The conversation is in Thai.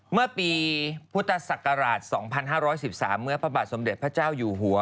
เมื่อปีพุทธศักราช๒๕๑๓เมื่อพระบาทสมเด็จพระเจ้าอยู่หัว